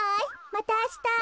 またあした。